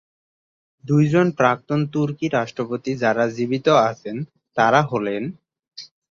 দুইজন প্রাক্তন তুর্কি রাষ্ট্রপতি যারা জীবিত আছেন, তাঁরা হলেন,